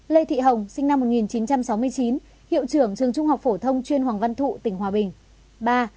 ba lê thị hồng sinh năm một nghìn chín trăm sáu mươi chín hiệu trưởng trường trung học phổ thông chuyên hoàng văn thụ tỉnh hòa bình